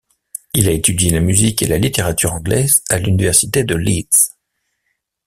Il a étudié la musique et la littérature anglaise à l'université de Leeds.